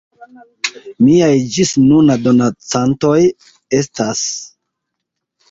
Miaj ĝis nuna donacantoj estas:...